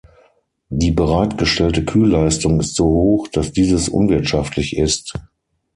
Die bereitgestellte Kühlleistung ist so hoch, dass dieses unwirtschaftlich ist.